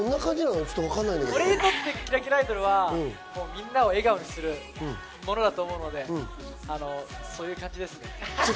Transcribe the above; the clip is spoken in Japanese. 俺にとってはみんなを笑顔にするものだと思うので、そういう感じですね。